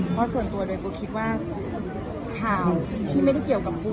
เพราะส่วนตัวหนึ่งผมก็คลิกว่าข่าวที่ที่ไม่ได้เกี่ยวกับกู